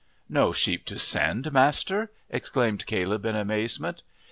"No sheep to send, master!" exclaimed Caleb in amazement.